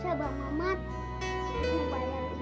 sini bayar iuran sekolah